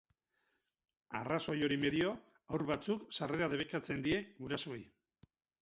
Arrazoi hori medio, haur batzuk sarrera debekatzen die gurasoei.